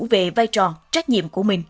về vai trò trách nhiệm của công nhân